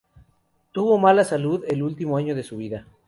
Tuvo mala salud el último año de su vida.